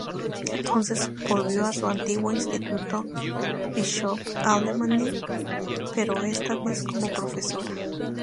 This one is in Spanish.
Entonces volvió a su antiguo instituto, Bishop Alemany, pero esta vez como profesora.